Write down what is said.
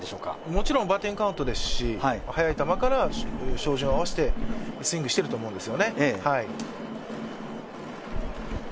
もちろんバッティングカウントですし速い球から照準を合わせてスイングしていると思うんです。